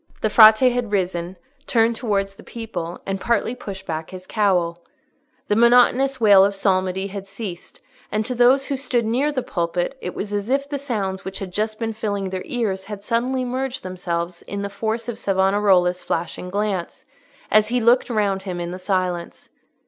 The Frate had risen, turned towards the people, and partly pushed back his cowl. The monotonous wail of psalmody had ceased, and to those who stood near the pulpit, it was as if the sounds which had just been filling their ears had suddenly merged themselves in the force of Savonarola's flashing glance, as he looked round him in the silence.